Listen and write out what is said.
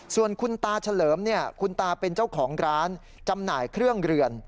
ส่วนคุณตาเฉลิมคุณตาเป็นเจ้าของร้านจำหน่ายเครื่องเรือน